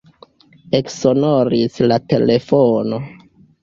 Eksonoris la telefono.